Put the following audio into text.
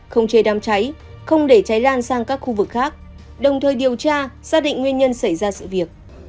không chế đám cháy không để cháy lan sang các khu vực khác đồng thời điều tra xác định nguyên nhân xảy ra sự việc